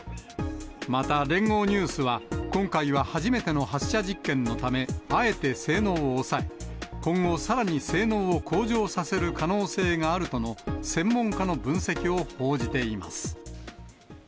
また聯合ニュースは、今回は初めての発射実験のため、あえて性能を抑え、今後、さらに性能を向上させる可能性があるとの専門家の分析を報じています。